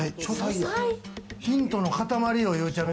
ヒントの塊よ、ゆうちゃみ。